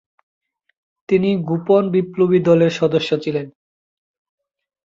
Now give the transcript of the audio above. তিনি গোপন বিপ্লবী দলের সদস্য ছিলেন।